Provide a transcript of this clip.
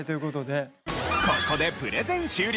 ここでプレゼン終了。